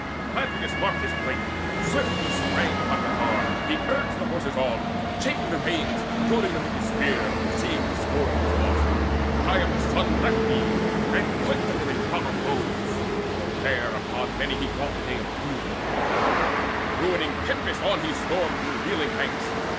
Melanthius marked his plight: swiftly he sprang Upon the car; he urged the horses on, Shaking the reins, goading them with his spear, Seeing the scourge was lost. But Priam's son Left these, and plunged amid a throng of foes. There upon many he brought the day of doom; For like a ruining tempest on he stormed Through reeling ranks.